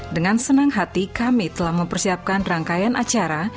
dengan senang hati kami telah mempersiapkan rangkaian acara